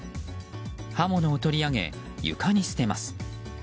刃物を取り上げ床に捨てます。